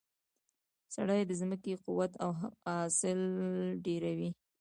سرې د ځمکې قوت او حاصل ډیروي.